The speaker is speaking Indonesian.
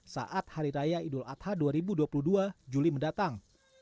saat hari raya idul adha dua ribu dua puluh dua juli mendatang